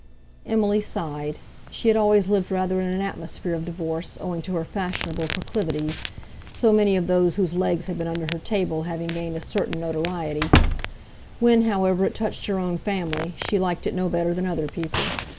Emily sighed. She had always lived rather in an atmosphere of divorce, owing to her fashionable proclivities—so many of those whose legs had been under her table having gained a certain notoriety. When, however, it touched her own family, she liked it no better than other people.